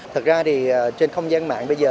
thật ra thì trên không gian mạng bây giờ